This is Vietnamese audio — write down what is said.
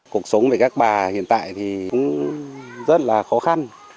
cuộc sống về các bà hiện tại thì cũng rất là khó khăn